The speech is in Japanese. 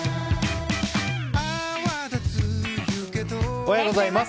おはようございます。